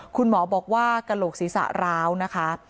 คุณหมอบอกว่ากระโหลกศีรษะร้าวนะคะ